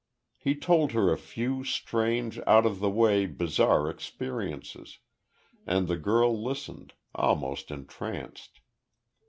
He told her a few strange, out of the way, bizarre experiences and the girl listened, almost entranced.